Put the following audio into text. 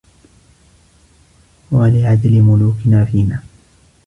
وَلِعَدْلِ مُلُوكِنَا فِينَا